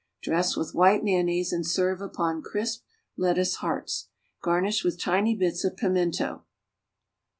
Dress with white mayonnaise and serve upon crisp lettuce hearts. Garnish with tiny bits of pimento.